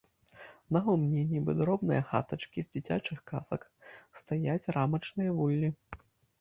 На гумне, нібы дробныя хатачкі з дзіцячых казак, стаяць рамачныя вуллі.